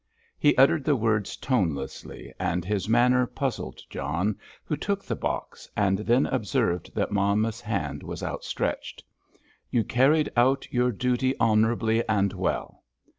He uttered the words tonelessly and his manner puzzled John, who took the box, and then observed that Monmouth's hand was outstretched. "You carried out your duty honourably and well."